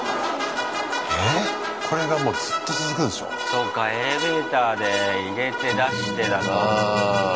そうかエレベーターで入れて出してだと。